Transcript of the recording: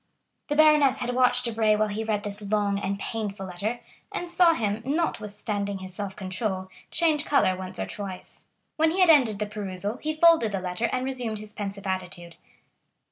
'" The baroness had watched Debray while he read this long and painful letter, and saw him, notwithstanding his self control, change color once or twice. When he had ended the perusal, he folded the letter and resumed his pensive attitude.